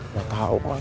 gak tau kok